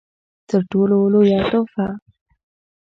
تر ټولو لويه تحفه